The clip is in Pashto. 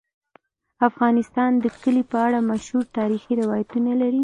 افغانستان د کلي په اړه مشهور تاریخی روایتونه لري.